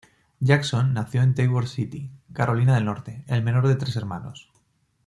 Jackson, nació en Tabor City, Carolina del Norte, el menor de tres hermanos.